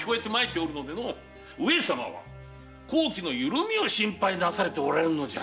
上様は綱紀のゆるみを心配なされておられるのじゃ。